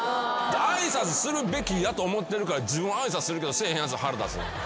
挨拶するべきやと思ってるから自分挨拶するけどせえへんやつ腹立つ。